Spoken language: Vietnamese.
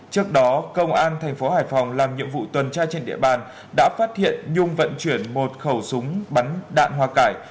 trước đó công an thành phố hải phòng làm nhiệm vụ tuần tra trên địa bàn đã phát hiện nhung vận chuyển một khẩu súng bắn đạn hoa cải